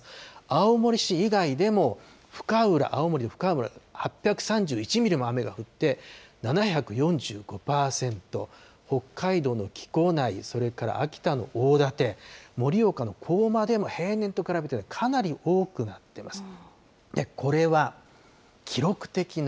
青森市以外でも、青森の深浦、８３１ミリも雨が降って、７４５％、北海道の木古内、それから秋田の大館、盛岡の好摩でも平年と比べてかなり多くなってます。